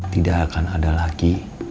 tidak akan ada lagi